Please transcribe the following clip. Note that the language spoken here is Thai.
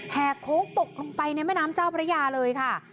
โค้งตกลงไปในแม่น้ำเจ้าพระยาเลยค่ะ